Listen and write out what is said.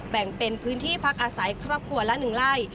แบ่งเป็นพื้นที่พักอาศัยครอบครัวละ๑ไร่